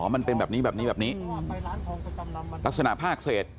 มันเป็นแบบนี้แบบนี้แบบนี้ลักษณะภาคเศษ